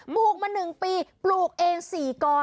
ปลูกมาหนึ่งปีปลูกเองสี่กร